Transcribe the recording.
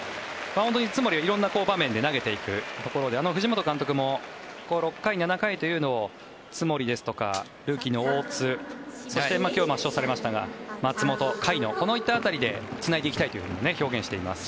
本当に津森は色んな場面で投げていくところで藤本監督も６回、７回を津森ですとかルーキーの大津そして、今日、抹消されましたが松本、甲斐野こういった辺りでつないでいきたいと表現しています。